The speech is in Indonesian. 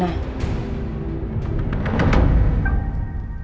gak kayak anak ini gak berguna